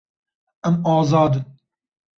Em azad in.